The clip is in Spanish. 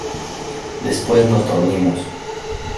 después nos dormimos.